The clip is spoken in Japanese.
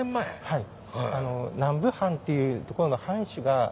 はい。